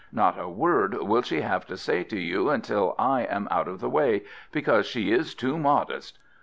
Not a word will she have to say to you till I am out of the way, because she is too modest.